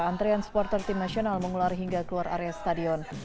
antrean supporter tim nasional mengular hingga keluar area stadion